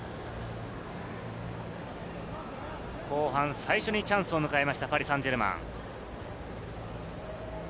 後半、最初にチャンスを迎えました、パリ・サンジェルマン。